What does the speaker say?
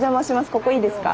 ここいいですか？